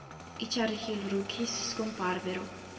I Cherry Hill Rookies scomparvero.